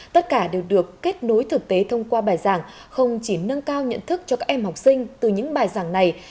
tất cả đều được kết nối thực tế thông qua bài giảng không chỉ nâng cao nhận thức cho các em học sinh từ những bài giảng này